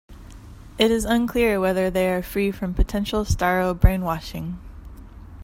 It is unclear whether they are free from potential Starro brainwashing.